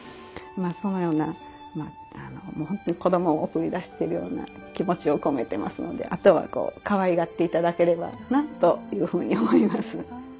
そのような本当に子どもを送り出しているような気持ちを込めてますのであとはこうかわいがって頂ければなというふうに思います。